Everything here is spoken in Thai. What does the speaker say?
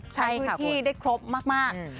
ใช่ค่ะคุณพื้นที่ได้ครบมาก